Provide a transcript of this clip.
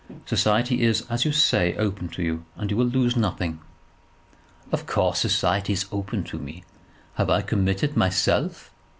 Society is, as you say, open to you, and you will lose nothing." "Of course society is open to me. Have I committed myself?